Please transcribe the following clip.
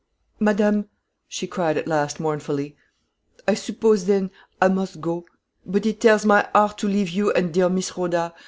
"Madame," she cried at last, mournfully, "I suppose, then, I must go; but it tears my heart to leave you and dear Miss Rhoda.